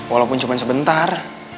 walaupun cuma sebentar